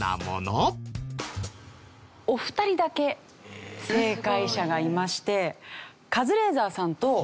お二人だけ正解者がいましてカズレーザーさんと。